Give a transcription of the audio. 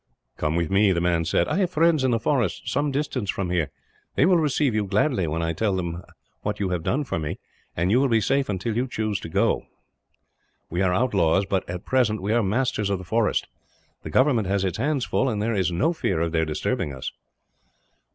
"Come with me," the man said. "I have friends in the forest, some distance from here. They will receive you gladly, when I tell them what you have done for me; and you will be safe until you choose to go. We are outlaws but, at present, we are masters of the forest. The government has its hands full, and there is no fear of their disturbing us."